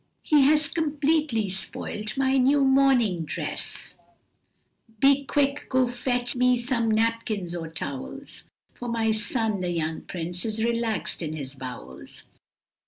He has completely spoilt my new morning dress, Be quick go fetch me some napkins or towels, For my son, the young Prince, is relaxed in his bowels."